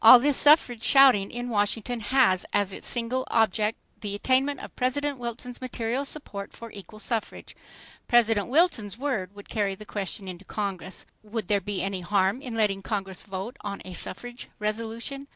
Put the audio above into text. . All this suffrage shouting in Washington has as its single object the attainment of President Wilson's material support for equal suffrage .... President Wilson's word would carry the question into Congress ... Would there be any harm in letting Congress vote on a suffrage resolution?